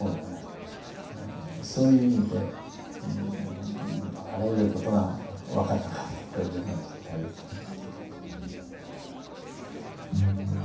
そういう意味であらゆることが分かったかなというような実態ですね。